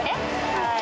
はい。